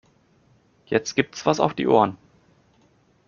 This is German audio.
Jetzt gibt's was auf die Ohren.